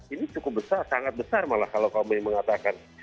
dua ribu delapan belas ini cukup besar sangat besar malah kalau kamu yang mengatakan